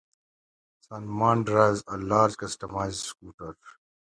Sanman drives a large customized scooter.